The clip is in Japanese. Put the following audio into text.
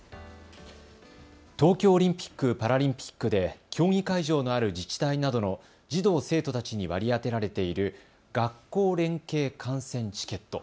東京オリンピック・パラリンピックで競技会場のある自治体などの児童・生徒たちに割り当てられている学校連携観戦チケット。